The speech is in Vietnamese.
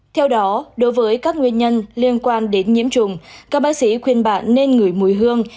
theo đó đối với các nguyên nhân liên quan đến nhiễm trùng các bác sĩ khuyên bạn nên ngửi mùi hương